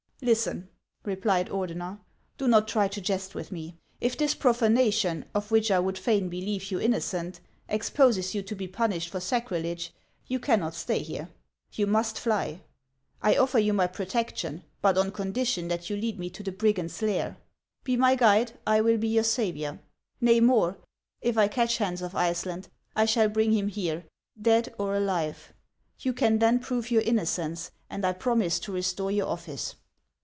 "" Listen," replied Ordener ;" do not try to jest with me. If this profanation, of which I would fain believe you in nocent, exposes you to be punished for sacrilege, you can not stay here. You must fly. I offer you my protection, but on condition that you lead me to the brigand's lair. Be my guide, I will be your saviour. Xay, more: if I catch Hans of Iceland, I shall bring him here, dead or alive. You can then prove your innocence, and I promise to restore your office.